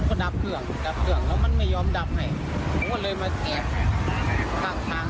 ตอนพี่วิ่งลงมาไฟมันลุกหรือยัง